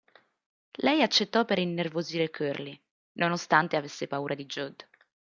Lei accettò per innervosire Curly, nonostante avesse paura di Jud.